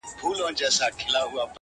صدقه نه’ په څو ـ څو ځلې صدقان وځي’